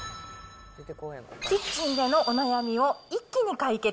キッチンでのお悩みを一気に解決。